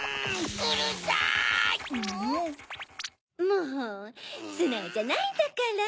もうすなおじゃないんだから。